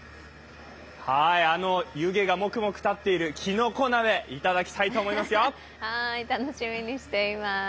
湯気がもくもくたっているきのこ鍋、いただきたいと思いますよ。